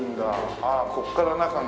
ああここから中が。